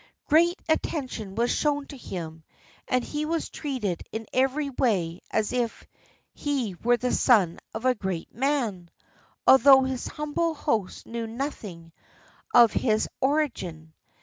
Great attention was shown to him, and he was treated in every way as if he were the son of a great man, although his humble host knew nothing of his origin.